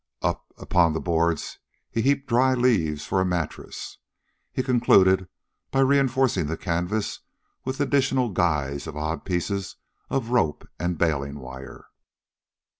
Upon the boards he heaped dry leaves for a mattress. He concluded by reinforcing the canvas with additional guys of odd pieces of rope and bailing wire.